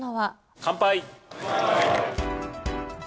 乾杯！